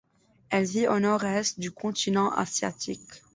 Elle vit au Nord-Est du continent asiatique.